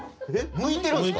向いてるんすか？